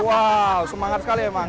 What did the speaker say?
wah semangat sekali emang